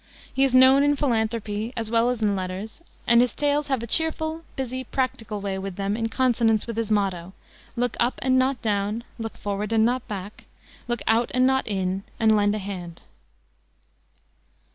He is known in philanthropy as well as in letters, and his tales have a cheerful, busy, practical way with them in consonance with his motto, "Look up and not down, look forward and not back, look out and not in, and lend a hand."